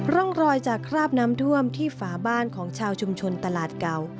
ร่องรอยจากคราบน้ำท่วมที่ฝาบ้านของชาวชุมชนตลาดเก่า